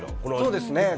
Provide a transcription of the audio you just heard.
そうですね。